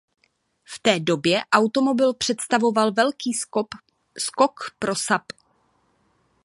V té době automobil představoval velký skok pro Saab.